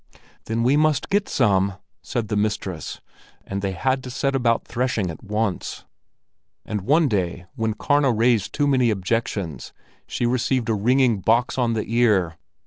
"Then we must get some," said the mistress, and they had to set about threshing at once. And one day when Karna raised too many objections she received a ringing box on the ear.